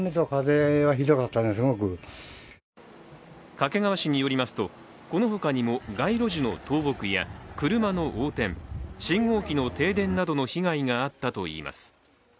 掛川市によりますと、このほかにも街路樹の倒木や車の横転、信号機の停電などの被害があったといいます。